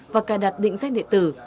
và cài đặt định sách địa tử